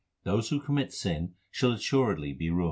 They who commit sin shall assuredly be ruined.